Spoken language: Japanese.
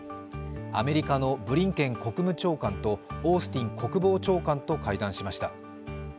アメリカのブリンケン国務長官とオースティン国防長官と会談しました。